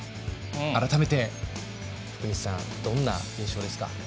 改めて、福西さんどんな印象ですか？